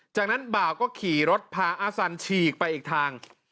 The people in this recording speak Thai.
จากนั้นบ่าวก็ขี่รถพาอาสันฉีกไปอีกทาง